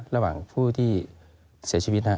ระหว่างผู้ที่เสียชีวิต